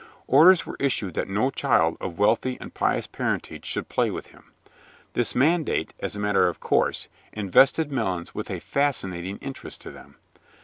Orders were issued that no child of wealthy and pious parentage should play with him. This mandate, as a matter of course, invested Melons with a fascinating interest to them.